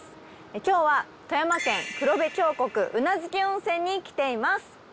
今日は富山県黒部峡谷宇奈月温泉に来ています。